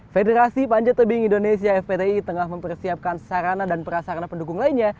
federasi panjat tebing indonesia fpti tengah mempersiapkan sarana dan prasarana pendukung lainnya